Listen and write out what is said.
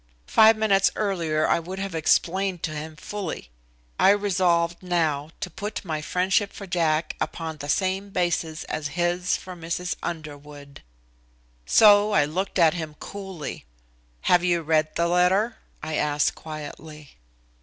Five minutes earlier I would have explained to him fully. I resolved now to put my friendship for Jack upon the same basis as his for Mrs. Underwood. So I looked at him coolly. "Have you read the letter?" I asked quietly.